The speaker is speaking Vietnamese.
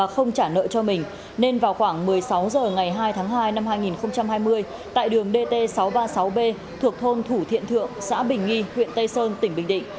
khi vào khoảng một mươi sáu h ngày hai tháng hai năm hai nghìn hai mươi tại đường dt sáu trăm ba mươi sáu b thuộc thôn thủ thiện thượng xã bình nghi huyện tây sơn tỉnh bình định